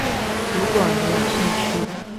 如果你有興趣